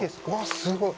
すごい